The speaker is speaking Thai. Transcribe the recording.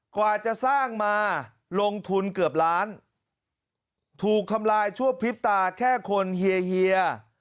กว่าจะสร้างมาลงทุนเกือบล้านถูกทำลายชั่วพริบตาแค่คนเฮียเฮีย